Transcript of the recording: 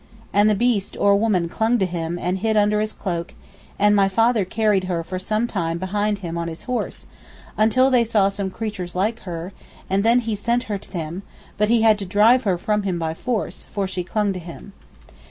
And the beast or woman clung to him and hid under his cloak; and my father carried her for some time behind him on his horse, until they saw some creatures like her, and then he sent her to them, but he had to drive her from him by force, for she clung to him.